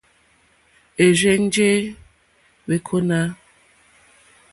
Ì rzênjé wêkóná.